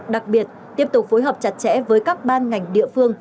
đặc biệt tiếp tục phối hợp chặt chẽ với các ban ngành địa phương